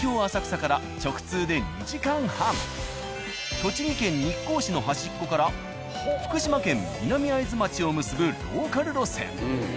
栃木県日光市の端っこから福島県・南会津町を結ぶローカル路線。